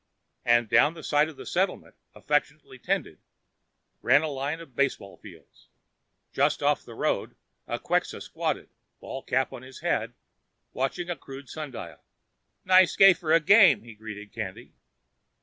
And down the side of the settlement, affectionately tended, ran a line of baseball fields. Just off the road, a Quxa squatted, baseball cap on his head, watching a crude sun dial. "Nice day for game," he greeted Candy.